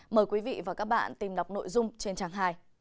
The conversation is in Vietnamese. mời quý vị và các bạn tìm đọc nội dung trên trang hai